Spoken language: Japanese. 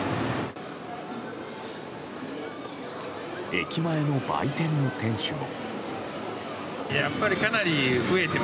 駅前の売店の店主も。